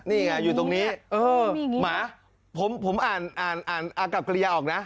นี่ไงอยู่ตรงนี้เออมีอย่างงี้หมาผมผมอ่านอ่านอ่ากลับเกลียออกนะ